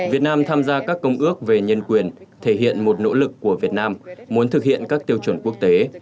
việt nam tham gia các công ước về nhân quyền thể hiện một nỗ lực của việt nam muốn thực hiện các tiêu chuẩn quốc tế